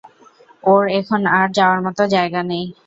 ওর এখন আর যাওয়ার মতো জায়গা নেই।